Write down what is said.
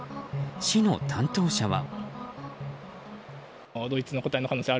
市の担当者は。